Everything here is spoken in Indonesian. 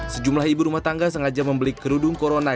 sejumlah ibu rumah tangga sengaja membeli kerudung corona